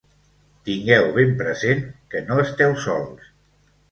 Tingueu ben present que no esteu sols!